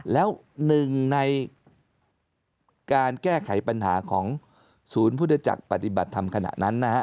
แล้วหนึ่งในการแก้ไขปัญหาของศูนย์พุทธจักรปฏิบัติธรรมขณะนั้นนะฮะ